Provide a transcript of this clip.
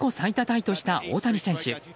タイとした大谷選手。